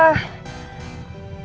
aku mau ke kantor